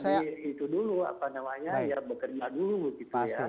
itu dulu apa namanya ya bekerja dulu gitu ya